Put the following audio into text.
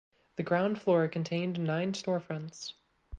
The ground floor contained nine storefronts.